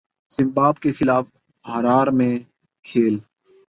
زمباب کے خلاف ہرار میں کھیل